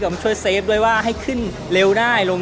การแชร์ประสบการณ์